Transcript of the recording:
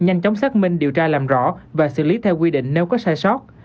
nhanh chóng xác minh điều tra làm rõ và xử lý theo quy định nếu có sai sót